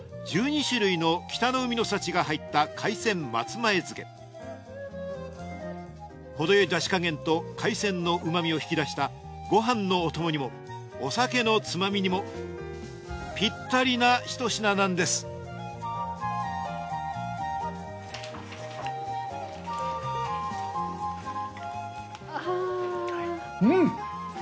まずはほどよいだし加減と海鮮の旨味を引き出したごはんのお供にもお酒のつまみにもぴったりなひと品なんですうん！